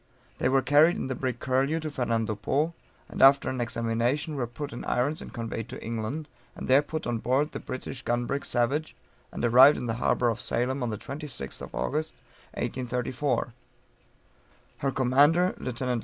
They were carried in the brig Curlew to Fernando Po, and after an examination, were put in irons and conveyed to England, and there put on board the British gun brig Savage, and arrived in the harbor of Salem on the 26th August, 1834. Her commander, Lieut.